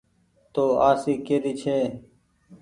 تو آرسي ڪي ري ڇي۔